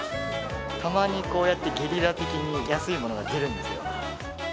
たまに、こうやってゲリラ的に安いものが出るんですよ。